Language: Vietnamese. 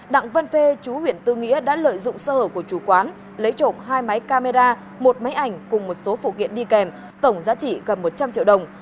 đặng văn phê chú huyện tư nghĩa đã lợi dụng sơ hở của chủ quán lấy trộm hai máy camera một máy ảnh cùng một số phụ kiện đi kèm tổng giá trị gần một trăm linh triệu đồng